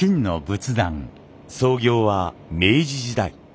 創業は明治時代。